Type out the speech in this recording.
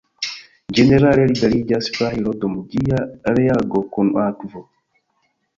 Ĝenerale liberiĝas fajro dum ĝia reago kun akvo.